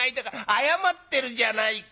謝ってるじゃないか。